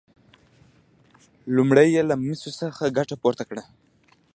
لومړی یې له مسو څخه ګټه پورته کړه.